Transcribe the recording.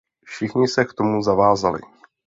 Všichni se k tomu zavázali.